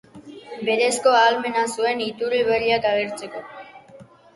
Berezko ahalmena zuen iturri berriak agertzeko.